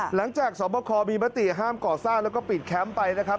หลังจากสอบคอมีมติห้ามก่อสร้างแล้วก็ปิดแคมป์ไปนะครับ